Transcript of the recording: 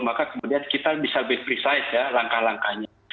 maka kemudian kita bisa lebih precide ya langkah langkahnya